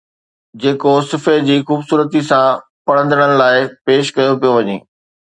جيڪو صفحي جي خوبصورتي سان پڙهندڙن لاءِ پيش ڪيو پيو وڃي